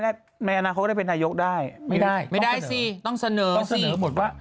ในอนาคตก็ได้เป็นนายกได้ไม่ได้ไม่ได้สิต้องเสนอต้องเสนอหมดว่า